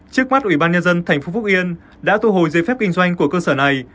trước mắt ủy ban nhân dân tp hcm đã thu hồi giấy phép kinh doanh của cơ sở này